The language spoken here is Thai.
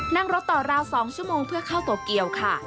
นั่งรถต่อราว๒ชั่วโมงเพื่อเข้าโตเกียวค่ะ